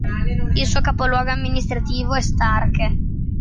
Il suo capoluogo amministrativo è Starke.